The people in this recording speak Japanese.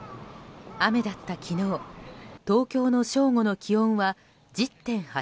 雨だった昨日東京の正午の気温は１０．８度。